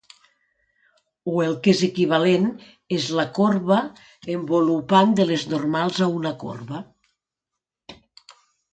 O el que és equivalent, és la corba envolupant de les normals a una corba.